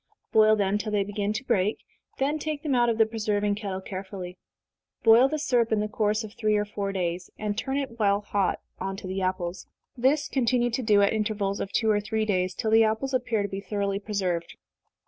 Boil them till they begin to break, then take them out of the preserving kettle carefully. Boil the syrup in the course of three or four days, and turn it while hot on to the apples. This continue to do at intervals of two or three days, till the apples appear to be thoroughly preserved.